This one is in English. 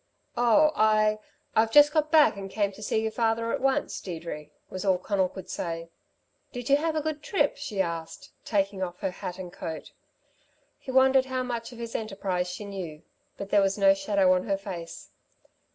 "Oh I I've just got back and came to see your father at once, Deirdre," was all Conal could say. "Did you have a good trip?" she asked, taking off her hat and coat. He wondered how much of his enterprise she knew. But there was no shadow on her face.